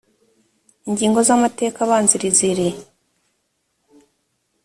ingingo z’amateka abanziriza iri